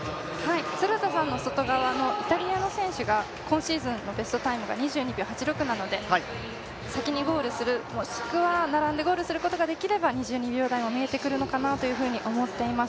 鶴田さんの外側のイタリアの選手が今シーズンのベストタイムが２２秒８６なので先にゴールする、もしくは並んでゴールすることができれば２２秒台も見えてくるのかなというふうに思います。